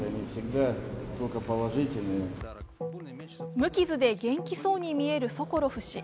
無傷で元気そうに見えるソコロフ氏。